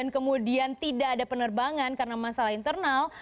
kemudian tidak ada penerbangan karena masalah internal